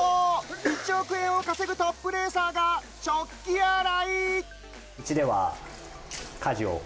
１億円を稼ぐトップレーサーが食器洗い！